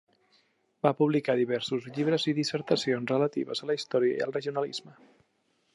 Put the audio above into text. Va publicar diversos llibres i dissertacions relatives a la història i el regionalisme.